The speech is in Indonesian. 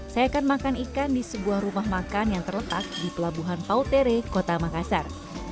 saya akan makan ikan di sebuah rumah makan yang terletak di pelabuhan pautere kota makassar